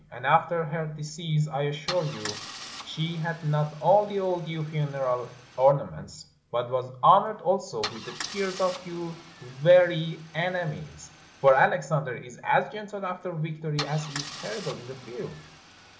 And after her decease, I assure you, she had not only all due funeral ornaments, but was honored also with the tears of your very enemies ; for Alexander is as gentle after victory, as he is terrible in the field."